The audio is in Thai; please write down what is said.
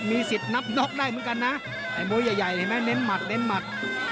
มีสิทธิ์นับน็อกได้เหมือนกันนะไอ้มวยใหญ่เห็นไหมเน้นหมัดเน้นหมัด